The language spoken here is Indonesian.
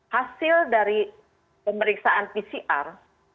hasil dari pemeriksaan pcr